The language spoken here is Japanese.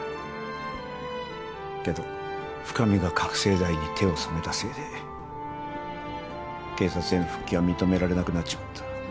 けど深海が覚醒剤に手を染めたせいで警察への復帰は認められなくなっちまった。